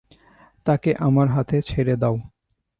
তাকে আমার হাতে ছেড়ে দাও।